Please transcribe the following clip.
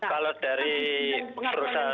kalau dari perusahaan